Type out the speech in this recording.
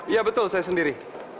ya betul saya sendiri